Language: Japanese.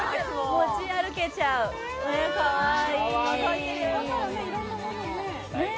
持ち歩けちゃう、かわいい。